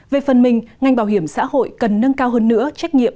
về phần mình ngành bảo hiểm xã hội cần nâng cao hơn nữa trách nhiệm